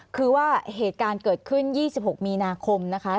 คือว่าเหตุการณ์เกิดขึ้น๒๖มีนาคมนะคะ